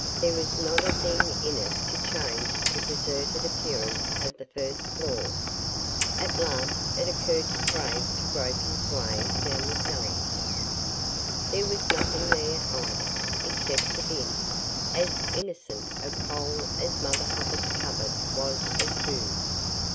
There was not a thing in it to change the deserted appearance of the first floor. At last it occurred to Craig to grope his way down cellar. There was nothing there, either, except a bin, as innocent of coal as Mother Hubbard's cupboard was of food.